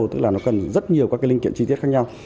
tức là nó cần rất nhiều các cái linh kiện chi tiết khác nhau